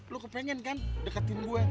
lo kepengen kan deketin gue